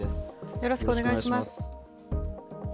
よろしくお願いします。